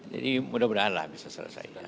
mudah mudahan lah bisa selesai